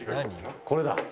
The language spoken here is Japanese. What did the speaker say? これだ。